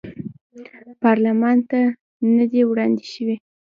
پارلمان ته نه دي وړاندې شوي.